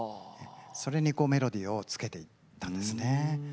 それにメロディーをつけていったんですね。